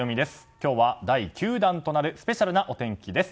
今日は第９弾となるスペシャルなお天気です。